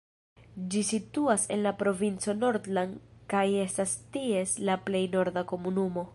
Ĝi situas en la provinco Nordland kaj estas ties la plej norda komunumo.